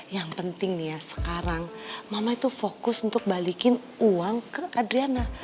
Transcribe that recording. yang penting nih ya sekarang mama itu fokus untuk balikin uang ke kadriana